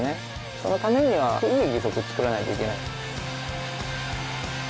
そのためにはいい義足作らないといけない。